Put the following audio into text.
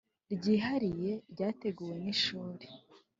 Ryihariye ryateguwe n ishuri